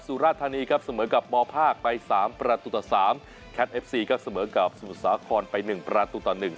สุราธานีครับเสมอกับมอภาคไปสามประตูต่อสามแคทเอฟซีครับเสมอกับสมุทรสาขอนไปหนึ่งประตูต่อหนึ่ง